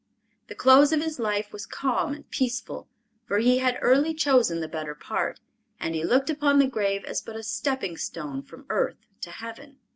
The close of his life was calm and peaceful, for he had early chosen the better part, and he looked upon the grave as but a stepping stone from earth to heaven.